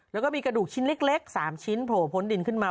แล้วก็มีกระดูกชิ้นเล็ก๓ชิ้นโผล่พ้นดินขึ้นมา